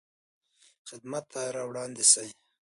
خدمت ته یې راوړاندې شئ.